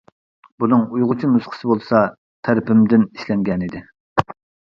بۇنىڭ ئۇيغۇرچە نۇسخىسى بولسا تەرىپىمدىن ئىشلەنگەنىدى.